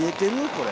これ。